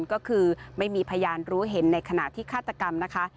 ก็คือไม่มีพยานรู้เห็นในขณะที่ฆาตกรรมนะคะ